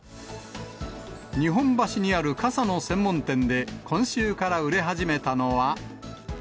日本橋にある傘の専門店で今週から売れ始めたのは。